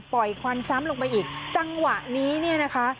ควันซ้ำลงไปอีกจังหวะนี้เนี่ยนะคะ